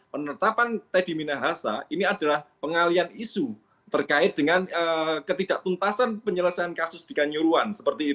penetapan teddy minahasa ini adalah pengalian isu terkait dengan ketidaktuntasan penyelesaian kasus di kanyuruan